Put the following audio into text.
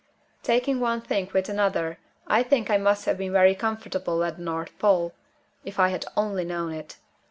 Taking one thing with another, I think I must have been very comfortable at the North Pole if I had only known it.